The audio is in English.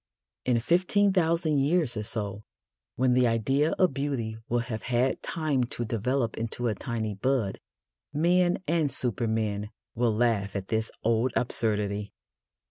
In fifteen thousand years or so, when the idea of beauty will have had time to develop into a tiny bud, men and supermen will laugh at this old absurdity.